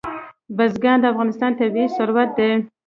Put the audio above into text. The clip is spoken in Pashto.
بزګان د افغانستان طبعي ثروت دی.